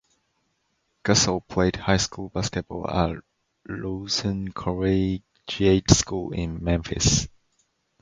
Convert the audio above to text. Gasol played high school basketball at Lausanne Collegiate School in Memphis.